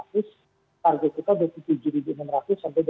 target kita dua puluh tujuh ribu lima ratus sampai dua ribu delapan ratus